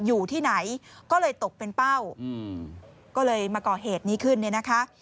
อยู่ที่ไหนก็เลยตกเป็นเป้าอืมก็เลยมาก่อเหตุนี้ขึ้นเนี่ยนะคะ